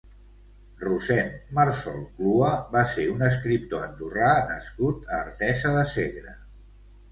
Rossend Marsol Clua va ser un escriptor andorrà nascut a Artesa de Segre.